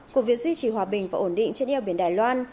của việc duy trì hòa bình và ổn định trên eo biển đài loan